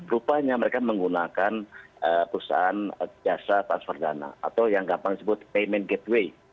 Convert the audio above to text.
rupanya mereka menggunakan perusahaan jasa transfer dana atau yang gampang disebut payment gateway